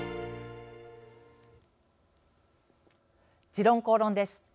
「時論公論」です。